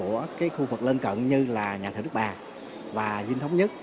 với kiến trúc của khu vực lân cận như nhà thờ nước bà và dinh thống nhất